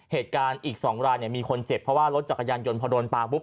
เหตุการณ์อีก๒รายเนี่ยมีคนเจ็บเพราะว่ารถจักรยานยนต์พอโดนปลาปุ๊บ